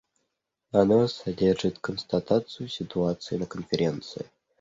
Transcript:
Оно содержит констатацию ситуации на Конференции.